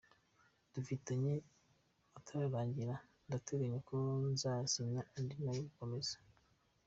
dufitanye atararangira, nteganya ko nzasinya andi yo gukomeza.